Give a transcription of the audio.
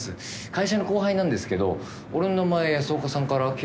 会社の後輩なんですけど俺の名前安岡さんから聞いた事ないですかね？